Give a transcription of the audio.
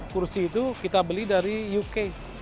kursi itu kita beli dari uk